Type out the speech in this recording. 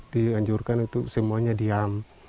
dianjurkan itu semuanya diam